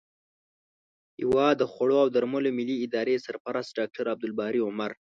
هیواد د خوړو او درملو ملي ادارې سرپرست ډاکټر عبدالباري عمر